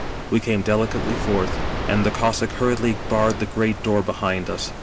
"We came delicately forth, and the Cossack hurriedly barred the great door behind us.